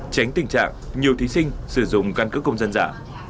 tránh tình trạng nhiều thí sinh sử dụng căn cứ công dân giả